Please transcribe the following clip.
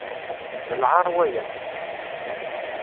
D lɛaṛ waya.